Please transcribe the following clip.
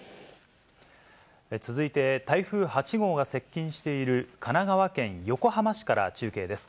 続いて、台風８号が接近している神奈川県横浜市から中継です。